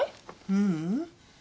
ううん。